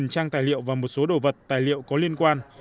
hai mươi trang tài liệu và một số đồ vật tài liệu có liên quan